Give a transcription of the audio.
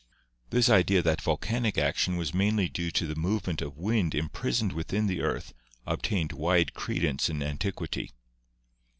This idea that volcanic action was mainly due to the movement of wind imprisoned within the earth obtained wide credence in antiquity.